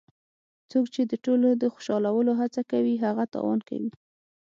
څوک چې د ټولو د خوشحالولو هڅه کوي هغه تاوان کوي.